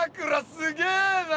すげえな！